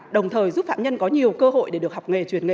đồng thời giúp phạm nhân có nhiều cơ hội để được học nghề truyền nghề